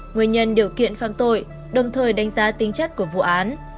nguyên nhân điều kiện phạm tội đồng thời đánh giá tính chất của vụ án